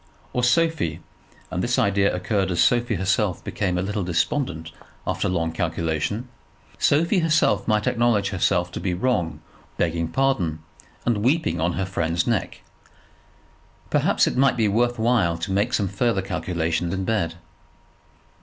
Or Sophie, and this idea occurred as Sophie herself became a little despondent after long calculation, Sophie herself might acknowledge herself to be wrong, begging pardon, and weeping on her friend's neck. Perhaps it might be worth while to make some further calculation in bed.